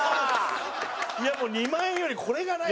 いやもう２万円よりこれがないのが。